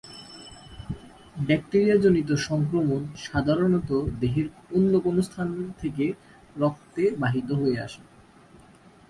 ব্যাকটেরিয়াজনিত সংক্রমণ সাধারণত দেহের অন্য কোনো স্থান থেকে রক্তে বাহিত হয়ে আসে।